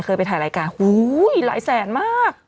เคยไปถ่ายรายการอุ้ยหลายแสนมาก